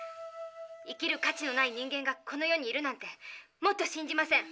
生きる価値のない人間がこの世にいるなんてもっと信じません。